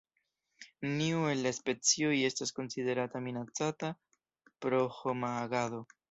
Neniu el la specioj estas konsiderata minacata pro homa agado.